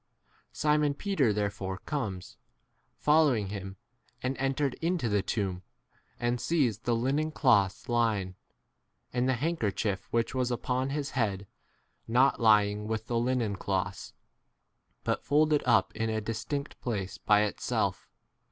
Simon Peter there fore comes, following him, and entered into the tomb, and sees 7 the linen cloths lying, and the handkerchief which was upon his head not lying with the linen cloths, but folded up in a distinct 8 place by itself.